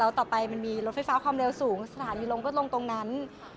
แล้วต่อไปมันมีรถไฟฟ้าความเร็วสูงสถานีลงก็ลงตรงนั้น